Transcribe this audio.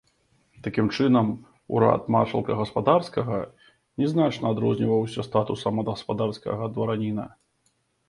Такім чынам, урад маршалка гаспадарскага не значна адрозніваўся статусам ад гаспадарскага двараніна.